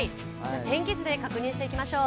天気図で確認していきましょう。